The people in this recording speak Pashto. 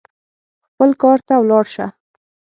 خپل کار ته ولاړ سه.